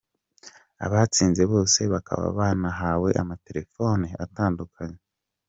Abatsinze bose bakaba banahawe amatelefone atandukanye.